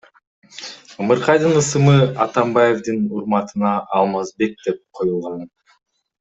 Ымыркайдын ысымы Атамбаевдин урматына Алмазбек деп коюлган.